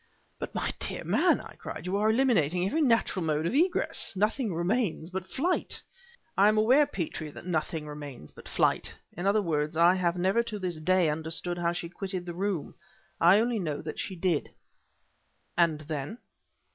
"But, my dear man!" I cried, "you are eliminating every natural mode of egress! Nothing remains but flight." "I am aware, Petrie, that nothing remains but flight; in other words I have never to this day understood how she quitted the room. I only know that she did." "And then?"